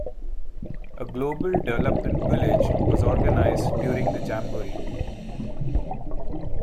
A Global Development Village was organized during the jamboree.